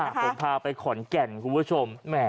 ผมพาไปขอนแก่นคุณผู้ชม